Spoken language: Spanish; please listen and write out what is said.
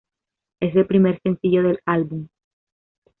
Es el primer sencillo del álbum.